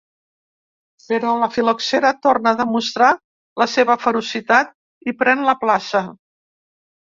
Però la fil·loxera torna a demostrar la seva ferocitat i pren la plaça.